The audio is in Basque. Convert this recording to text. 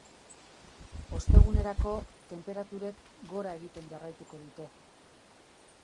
Ostegunerako, tenperaturek gora egiten jarraituko dute.